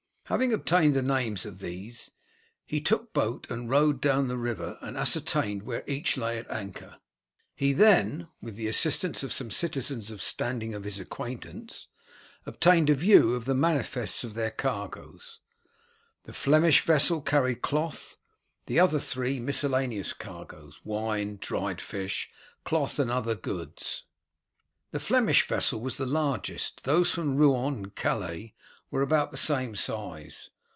Having obtained the names of these, he took boat and rowed down the river and ascertained where each lay at anchor. He then, with the assistance of some citizens of standing of his acquaintance, obtained a view of the manifests of their cargoes. The Flemish vessel carried cloth, the other three miscellaneous cargoes wine, dried fish, cloth, and other goods. The Flemish vessel was the largest, those from Rouen and Calais were about the same size.